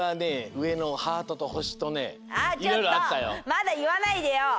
まだいわないでよ！